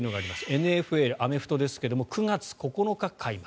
ＮＦＬ、アメフトですが９月９日開幕。